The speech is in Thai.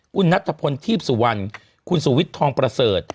คุณนัทพลทีพสุวรรณคุณสุวิทย์ทองประเสริฐ